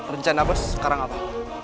rencana bos sekarang apa